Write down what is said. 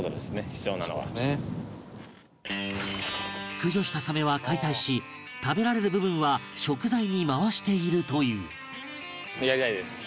駆除したサメは解体し食べられる部分は食材に回しているという